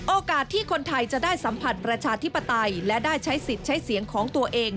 โอกาสที่คนไทยจะได้สัมผัสประชาธิปไตยและได้ใช้สิทธิ์ใช้เสียงของตัวเอง